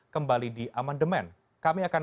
kembali di amandemen